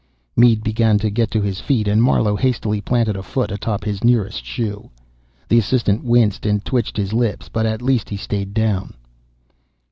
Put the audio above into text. Mead began to get to his feet, and Marlowe hastily planted a foot atop his nearest shoe. The assistant winced and twitched his lips, but at least he stayed down.